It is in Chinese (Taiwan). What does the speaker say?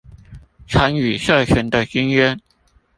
參與社群的經驗